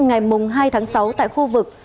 ngày mùng hai tháng sáu tại khu vực